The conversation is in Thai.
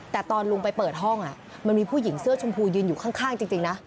แต่ตอนลุงไปเปิดห้องมันมีผู้หญิงเสื้อชมพูยืนอยู่ข้างจริงนะ